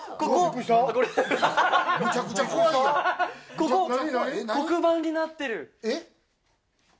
ここ、黒板になってる。